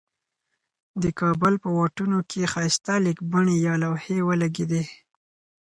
دې کابل په واټونو کې ښایسته لیکبڼي یا لوحی ولګیدي.